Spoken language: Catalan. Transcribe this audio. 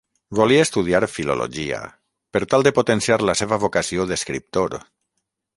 Volia estudiar filologia, per tal de potenciar la seva vocació d'escriptor.